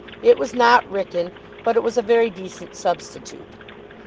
It was not Wrykyn, but it was a very decent substitute.